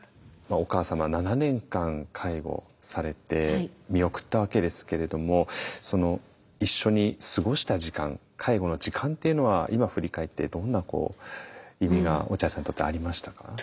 まあお母様７年間介護されて見送ったわけですけれども一緒に過ごした時間介護の時間っていうのは今振り返ってどんな意味が落合さんにとってありましたか？